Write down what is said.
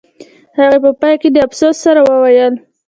هغې په پای کې د افسوس سره وویل